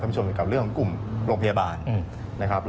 ท่านผู้ชมกับเรื่องของกลุ่มโรงพยาบาล